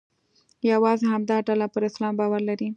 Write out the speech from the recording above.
یوازې همدا ډله پر اسلام باور لري.